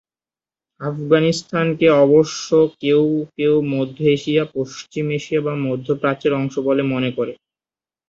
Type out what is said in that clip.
আফগানিস্তানকে অবশ্য কেউ কেউ মধ্য এশিয়া, পশ্চিম এশিয়া বা মধ্যপ্রাচ্যের অংশ বলে মনে করে।